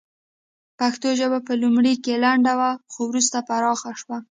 پښتو ژبه په لومړیو کې لنډه وه خو وروسته پراخه شوه